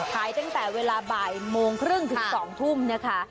ขายตั้งแต่เวลาบ่ายโมงครึ่งถึง๒ทุ่มนะคะ